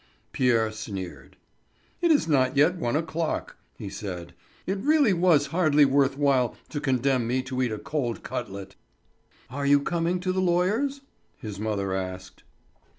Pierre sneered. "It is not yet one o'clock," he said. "It really was hardly worth while to condemn me to eat a cold cutlet." "Are you coming to the lawyer's?" his mother asked.